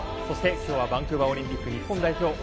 そして今日はバンクーバーオリンピック日本代表